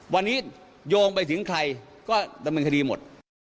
วันนี้โยงไปถึงใครก็ดำเนินคดีหมด